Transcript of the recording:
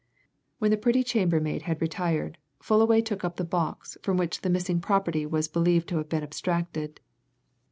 When the pretty chambermaid had retired, Fullaway took up the box from which the missing property was believed to have been abstracted.